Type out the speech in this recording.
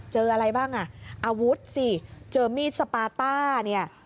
เจออะไรบ้างอ่ะอาวุธสิเจอมีดสปาต้าเนี่ย